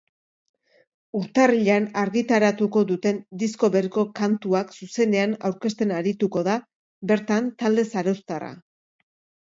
Urtarrilean argitaratuko duten disko berriko kantuak zuzenean aurkezten arituko da bertan talde zarauztarra.